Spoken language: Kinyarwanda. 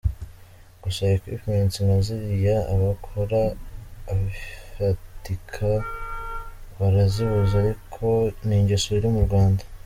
Gusa equipments nka ziriya abakora ibifatika barazibuze ariko ni ingeso iri mu Rwanda.